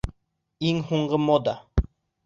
Иң һуңғы мода.